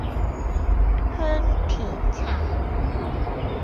香片茶